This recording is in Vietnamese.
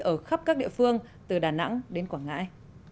ở khắp các địa phương từ đà nẵng đến quảng ngãi